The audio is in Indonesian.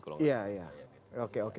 kalau tidak salah